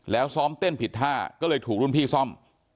แล้วซ้อมเต้นผิดท่าก็เลยถูกรุ่นพี่ซ่อม